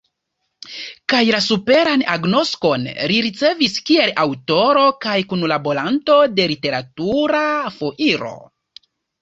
Kaj la superan agnoskon li ricevis kiel aŭtoro kaj kunlaboranto de Literatura foiro.